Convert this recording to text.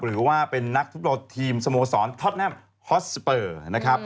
หรือว่าเป็นนักฟุตบอลทีมสโมสรท็อตแนมฮอตสเปอร์นะครับ